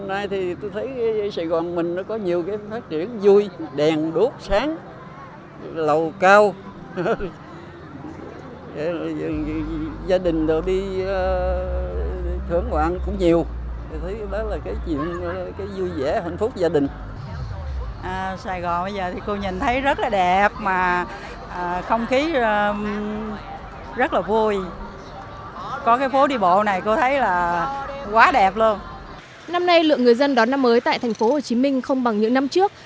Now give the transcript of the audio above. năm nay lượng người dân đón năm mới tại thành phố hồ chí minh không bằng những năm trước